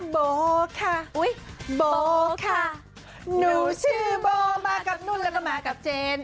โบค่ะโบค่ะหนูชื่อโบมากับนุ่นแล้วก็มากับเจน